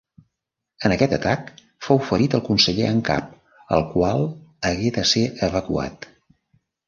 En aquest atac fou ferit el Conseller en Cap el qual hagué de ser evacuat.